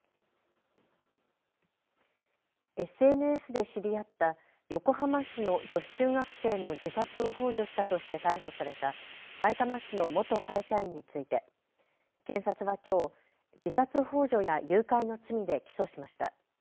ＳＮＳで知り合った横浜市の女子中学生の自殺をほう助したとして逮捕されたさいたま市の元会社員について検察はきょう、自殺ほう助や誘拐の罪で起訴しました。